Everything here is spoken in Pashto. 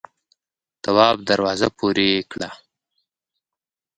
تواب دروازه پورې کړه.